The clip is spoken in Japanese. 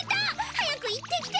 早く行ってきて！